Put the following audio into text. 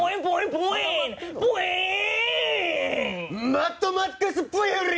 『マッドマックス』Ｖ振り！